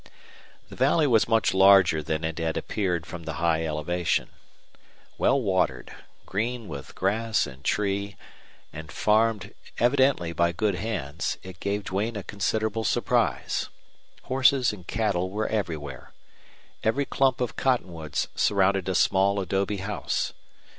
The valley was much larger than it had appeared from the high elevation. Well watered, green with grass and tree, and farmed evidently by good hands, it gave Duane a considerable surprise. Horses and cattle were everywhere. Every clump of cottonwoods surrounded a small adobe house.